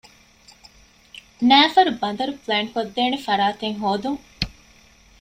ނައިފަރު ބަނދަރު ޕްލޭންކޮށްދޭނެ ފަރާތެއް ހޯދުން